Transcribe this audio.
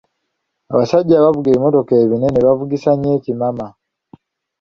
Abasajja abavuga ebimmotoka ebinene bavugisa nnyo ekimama.